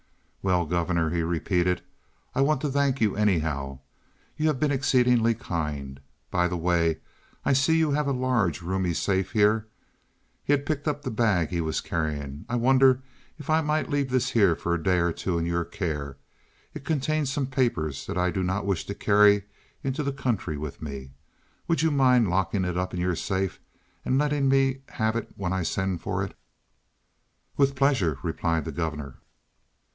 "Well, Governor," he repeated, "I want to thank you, anyhow. You have been exceedingly kind. By the way, I see you have a large, roomy safe here." He had picked up the bag he was carrying. "I wonder if I might leave this here for a day or two in your care? It contains some papers that I do not wish to carry into the country with me. Would you mind locking it up in your safe and letting me have it when I send for it?" "With pleasure," replied the governor.